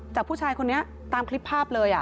จากผู้ชายคนนี้ตามคลิปภาพเลย